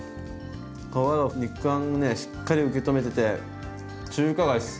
皮が肉あんをねしっかり受け止めてて中華街っす。